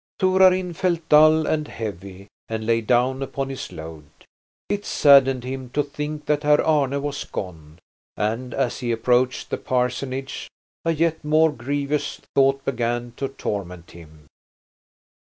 Torarin felt dull and heavy and lay down upon his load. It saddened him to think that Herr Arne was gone, and as he approached the parsonage a yet more grievous thought began to torment him.